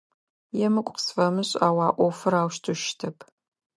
Емыкӏу къысфэмышӏ, ау а ӏофыр аущтэу щытэп.